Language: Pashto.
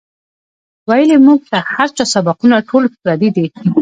وئیلـي مونږ ته هـر چا سبقــونه ټول پردي دي